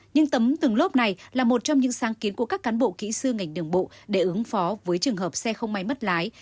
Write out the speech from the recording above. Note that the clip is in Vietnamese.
nhưng tấm tường lốp này là một trong những sáng kiến của các cán bộ kỹ sư ngành đường bộ để ứng phó với trường hợp xe không may mất lái